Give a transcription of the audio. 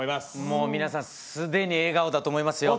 もう皆さん既に笑顔だと思いますよ。